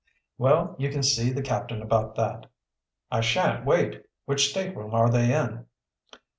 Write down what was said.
"Well, you can see the captain about that." "I shan't wait. Which stateroom are they in?"